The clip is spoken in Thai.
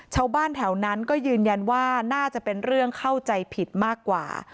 ชาวบ้านแถวนั้นก็ยืนยันว่าน่าจะเป็นเรื่องเข้าใจผิดมากกว่า